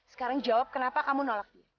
sekarang jawab kenapa kamu nolak dia